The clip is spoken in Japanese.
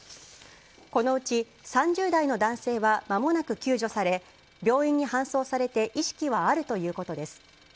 このうち３０代の男性はまもなく救助され、病院に搬送されて意識はあるということです。